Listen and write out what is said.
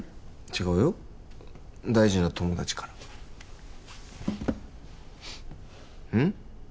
違うよ大事な友達からうん？